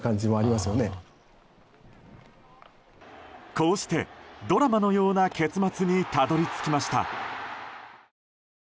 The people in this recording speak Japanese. こうしてドラマのような結末にたどり着きました。